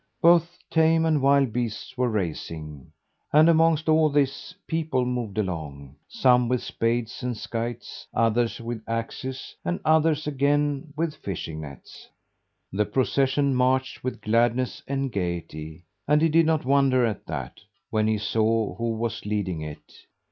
Both tame and wild beasts were racing, and amongst all this people moved along some with spades and scythes, others with axes, and others, again, with fishing nets. The procession marched with gladness and gayety, and he did not wonder at that when he saw who was leading it.